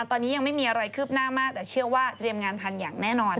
ตอนนี้ยังไม่มีอะไรคืบหน้ามากแต่เชื่อว่าเตรียมงานทันอย่างแน่นอน